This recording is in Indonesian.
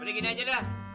pilih gini aja deh